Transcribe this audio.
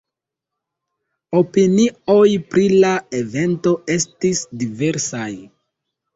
Opinioj pri la evento estis diversaj.